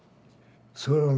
それをね